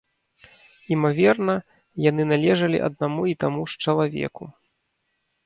Імаверна, яны належалі аднаму і таму ж чалавеку.